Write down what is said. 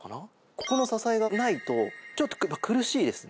ここの支えがないとちょっと苦しいですね。